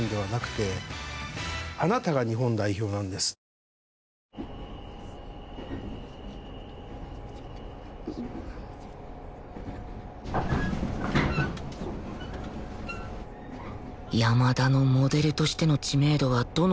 山田のモデルとしての知名度はどの程度のものなのか